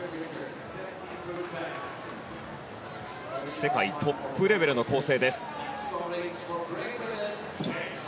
世界トップレベルの構成です。